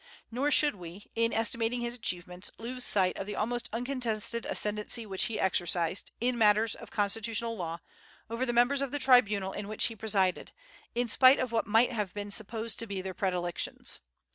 Nor should we, in estimating his achievements, lose sight of the almost uncontested ascendency which he exercised, in matters of constitutional law, over the members of the tribunal in which he presided, in spite of what might have been supposed to be their predilections.